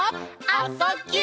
「あ・そ・ぎゅ」